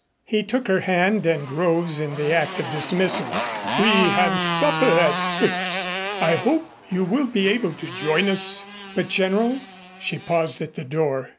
He took her hand and rose in the act of dismissal. "We have supper at six. I hope you will be able to join us." "But, General " She paused at the door.